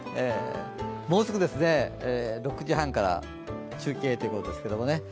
もうすぐ６時半から中継ということですけどね。